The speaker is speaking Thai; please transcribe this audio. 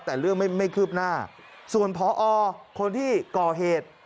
แต่เรื่องไม่คืบหน้าส่วนพอคนที่ก่อเหตุ